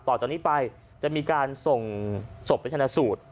ต่อจากนี้ไปจะมีการส่งศพไปชนะสูตร